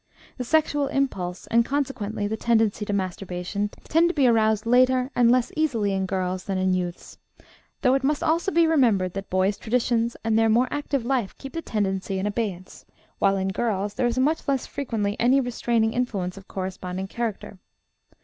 The sexual impulse, and consequently the tendency to masturbation, tend to be aroused later, and less easily in girls than in youths, though it must also be remembered that boys' traditions and their more active life keep the tendency in abeyance, while in girls there is much less frequently any restraining influence of corresponding character.